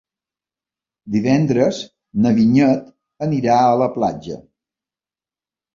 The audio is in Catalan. Divendres na Vinyet anirà a la platja.